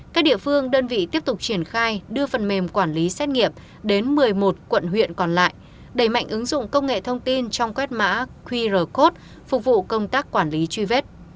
các địa phương đơn vị tiếp tục triển khai đưa phần mềm quản lý xét nghiệm đến một mươi một quận huyện còn lại đẩy mạnh ứng dụng công nghệ thông tin trong quét mã qr code phục vụ công tác quản lý truy vết